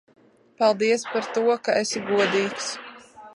Paldies par to, ka esi godīgs.